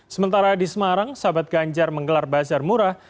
sementara di semarang sahabat ganjar menggelar bazar murah